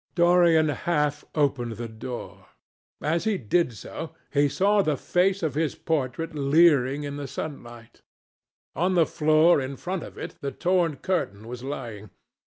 Dorian half opened the door. As he did so, he saw the face of his portrait leering in the sunlight. On the floor in front of it the torn curtain was lying.